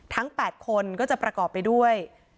ทั้ง๘คนก็จะประกอบไปด้วย